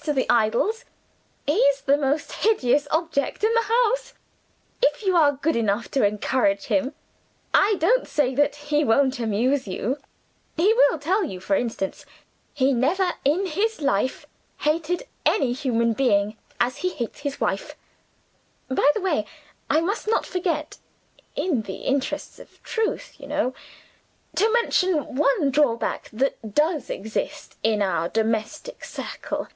Next to the idols, he's the most hideous object in the house. If you are good enough to encourage him, I don't say that he won't amuse you; he will tell you, for instance, he never in his life hated any human being as he hates his wife. By the way, I must not forget in the interests of truth, you know to mention one drawback that does exist in our domestic circle.